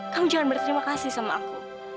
kamu jangan berterima kasih sama aku